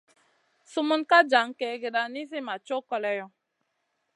Sumun ka jan kègèda nizi ma co koleyo.